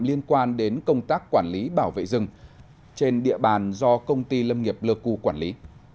liên quan đến công tác quản lý bảo vệ rừng trên địa bàn do công ty lâm nghiệp lơ cư quản lý